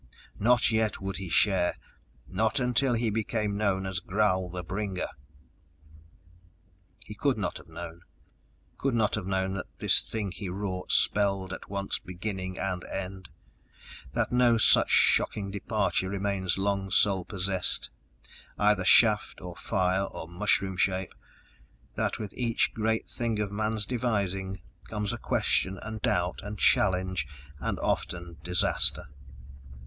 Not yet would he share not until he became known as Gral the Bringer! _... he could not have known. Could not have known that this thing he wrought spelled at once Beginning and End: that no such shocking departure remains long sole possessed, either shaft or fire or mushroom shape: that with each great thing of man's devising comes question and doubt and challenge and often disaster....